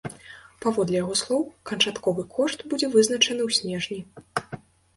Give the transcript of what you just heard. Паводле яго слоў, канчатковы кошт будзе вызначаны ў снежні.